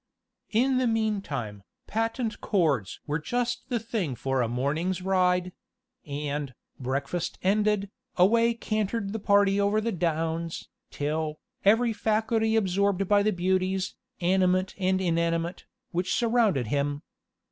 In the meantime, "patent cords" were just the thing for a morning's ride; and, breakfast ended, away cantered the party over the downs, till, every faculty absorbed by the beauties, animate and inanimate, which surrounded him.